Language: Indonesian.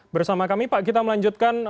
bersama kami pak kita melanjutkan